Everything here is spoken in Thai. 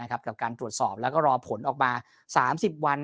กับการตรวจสอบแล้วก็รอผลออกมา๓๐วัน